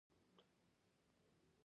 د سړک شور لږ زیات و.